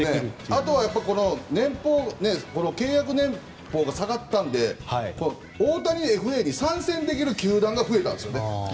あとは契約年俸が下がったので大谷ＦＡに参戦できる球団が増えたんですよね。